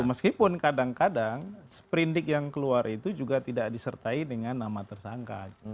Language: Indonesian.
meskipun kadang kadang sprindik yang keluar itu juga tidak disertai dengan nama tersangka